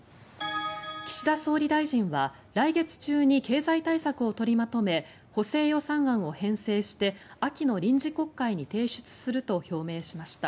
岸田総理大臣は来月中に経済対策を取りまとめ補正予算案を編成して秋の臨時国会に提出すると表明しました。